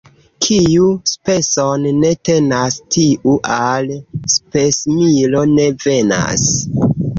Kiu speson ne tenas, tiu al spesmilo ne venas.